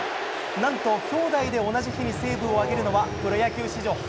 何と、兄弟で同じ日にセーブを挙げるのはプロ野球史上初。